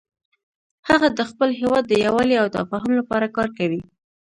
هغه د خپل هیواد د یووالي او تفاهم لپاره کار کوي